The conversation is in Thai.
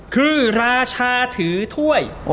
คือราชาถือถ้วย